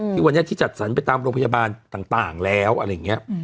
ที่วันนี้ที่จัดสรรไปตามโรงพยาบาลต่างแล้วอะไรอย่างนี้